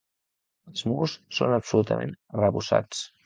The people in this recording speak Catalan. Els murs són absolutament arrebossats.